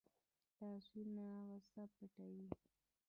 لاسونه غصه پټوي